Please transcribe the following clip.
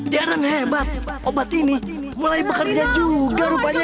darren hebat obat ini mulai bekerja juga rupanya